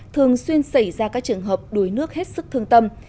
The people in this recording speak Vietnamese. thường xuyên xảy ra các trường hợp đuối nước hết sức thương tâm